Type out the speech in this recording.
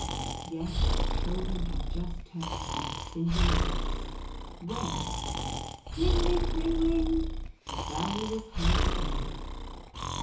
Yes, the child ren had just turned to these singular books, when — kling, ling, kling, ling — the bell was heard again.